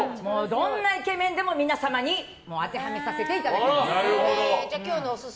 どんなイケメンでも皆様に当てはめさせていただきます。